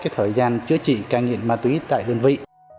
thời gian chữa trị ca nghiện ma túy tại đơn vị